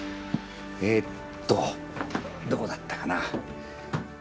えっと、どこだったかな？